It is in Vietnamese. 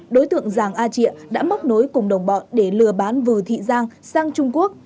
đối tượng giàng a triệua đã móc nối cùng đồng bọn để lừa bán vừa thị giang sang trung quốc